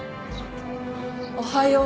おはよう。